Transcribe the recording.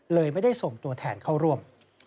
ไม่ได้ส่งตัวแทนเข้าร่วม